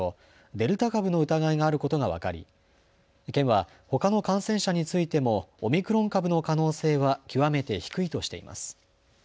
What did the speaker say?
デルタ株の疑いがあることが分かり県はほかの感染者についてもオミクロン株の可能性は極めて低いとしています。